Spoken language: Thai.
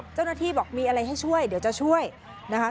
เจ้าหน้าที่บอกมีอะไรให้ช่วยเดี๋ยวจะช่วยนะคะ